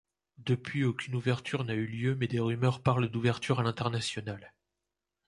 Depuis aucune ouverture n'a eu lieu mais des rumeurs parlent d'ouverture à l'international.